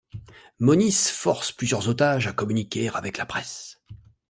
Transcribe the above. Monis force plusieurs otages à communiquer avec la presse.